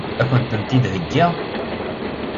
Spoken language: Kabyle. Ad kent-tent-id-heggiɣ?